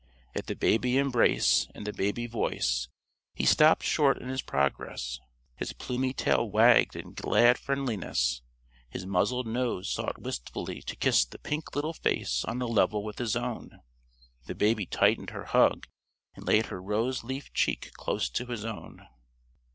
At the baby embrace and the baby voice, he stopped short in his progress. His plumy tail wagged in glad friendliness; his muzzled nose sought wistfully to kiss the pink little face on a level with his own. The baby tightened her hug, and laid her rose leaf cheek close to his own.